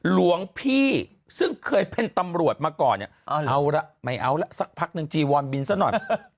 หลวงพี่ซึ่งเคยเป็นตำรวจมาก่อนเนี่ยเอาละไม่เอาละสักพักหนึ่งจีวอนบินซะหน่อย